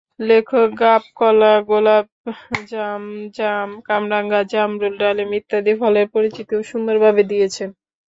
লেখক গাব, কলা, গোলাপজাম, জাম, কামরাঙা, জামরুল, ডালিম ইত্যাদি ফলের পরিচিতিও সুন্দরভাবে দিয়েছেন।